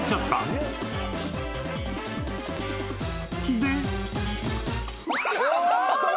［で］